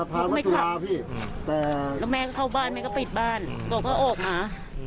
ก็ไม่ขับแล้วแม่ก็เข้าบ้านแม่ก็ปิดบ้านก็ออกเพราะโอบหา